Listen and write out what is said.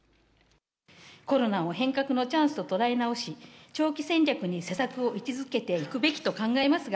コロナを変革のチャンスと捉え直し、長期戦略に施策を位置づけていくべきだと考えますが、